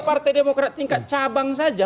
partai demokrat tingkat cabang saja